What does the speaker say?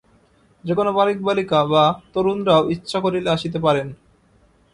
যে-কোন বালক বালিকা বা তরুণরাও ইচ্ছা করিলে আসিতে পারেন।